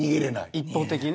一方的にね。